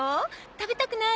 食べたくない？